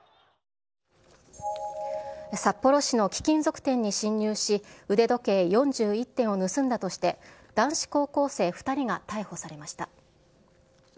札幌市の貴金属店に侵入し、腕時計４１点を盗んだとして、男子高校生２人が逮捕されました。